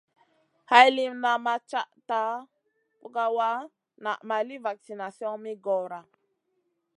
Hay li ma cata pukawa naʼ ma li vaksination mi goora.